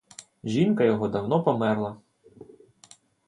Жінка його давно померла.